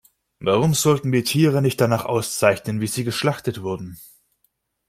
Warum sollten wir Tiere nicht danach auszeichnen, wie sie geschlachtet wurden?